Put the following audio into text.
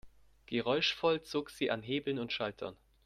Geräuschvoll zog sie an Hebeln und Schaltern.